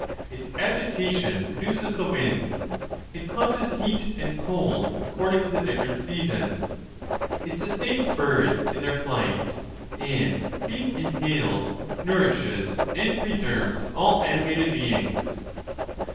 Its agitation produces the winds. It causes heat and cold according to the different seasons. It sustains birds in their flight; and, being inhaled, nourishes and preserves all animated beings.